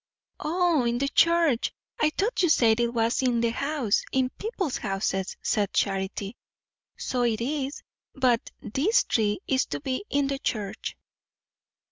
"O, in the church! I thought you said it was in the house in people's houses," said Charity. "So it is; but this tree is to be in the church."